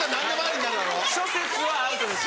諸説はアウトです。